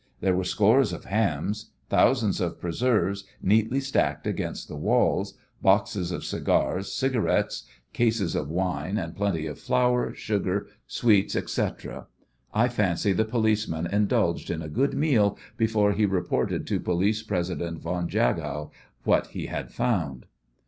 There were scores of hams, thousands of preserves neatly stacked against the walls, boxes of cigars, cigarettes, cases of wine, and plenty of flour, sugar, sweets, etc. I fancy the policeman indulged in a good meal before he reported to Police President von Jagow what he had found.